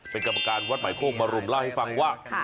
เป็นกรรมการวัดใหม่โคกมรุมเล่าให้ฟังว่า